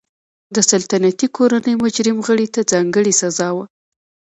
د سلطنتي کورنۍ مجرم غړي ته ځانګړې سزا وه.